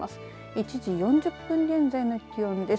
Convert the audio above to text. １時４０分現在の気温です。